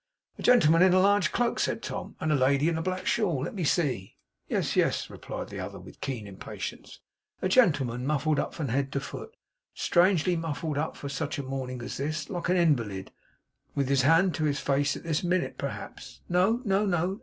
'A gentleman in a large cloak!' said Tom, 'and a lady in a black shawl! Let me see!' 'Yes, yes!' replied the other, with keen impatience. 'A gentleman muffled up from head to foot strangely muffled up for such a morning as this like an invalid, with his hand to his face at this minute, perhaps. No, no, no!